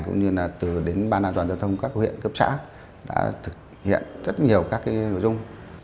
cũng như là từ đến ban an toàn giao thông các huyện cấp xã đã thực hiện rất nhiều các nội dung